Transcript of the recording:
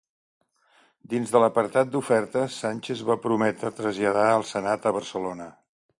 Dins de l'apartat d'ofertes, Sánchez va prometre traslladar el Senat a Barcelona.